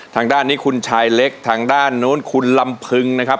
ทางด้านนี้คุณชายเล็กทางด้านนู้นคุณลำพึงนะครับ